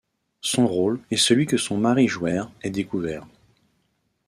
Son rôle et celui que son mari jouèrent est découvert.